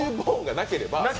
なければ。